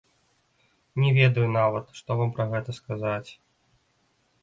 Не ведаю нават, што вам пра гэта сказаць.